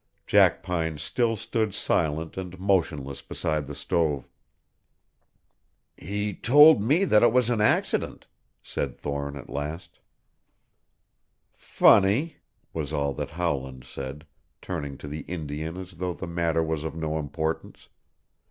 Jackpine still stood silent and motionless beside the stove. "He told me that it was an accident," said Thorne at last. "Funny," was all that Howland said, turning to the Indian as though the matter was of no importance.